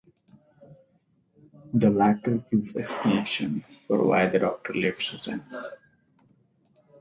The latter gives an explanation for why the Doctor left Susan.